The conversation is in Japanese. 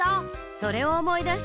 それをおもいだしたのね。